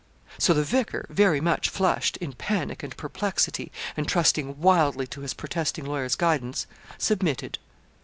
So the vicar, very much flushed, in panic and perplexity, and trusting wildly to his protesting lawyer's guidance, submitted.